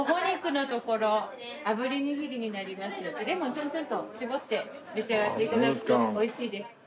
レモンちょんちょんと搾って召し上がって頂くと美味しいです。